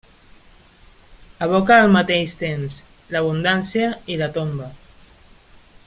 Evoca al mateix temps l'abundància i la tomba.